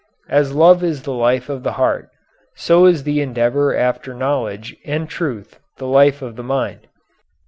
As love is the life of the heart, so is the endeavor after knowledge and truth the life of the mind.